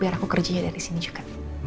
biar aku kerjanya dari sini juga